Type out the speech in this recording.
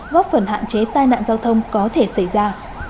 góp phần hạn chế tai nạn giao thông có thể xảy ra